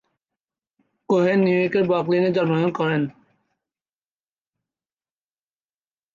Cohen নিউইয়র্কের ব্রুকলিনে জন্মগ্রহণ করেন।